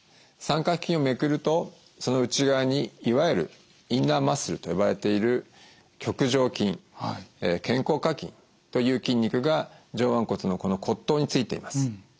三角筋をめくるとその内側にいわゆるインナーマッスルと呼ばれている棘上筋肩甲下筋という筋肉が上腕骨のこの骨頭についています。